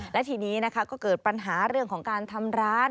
และทีนี้นะคะก็เกิดปัญหาเรื่องของการทำร้าน